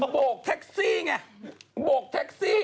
บอกไท็กซี่ไงบอกไท็กซี่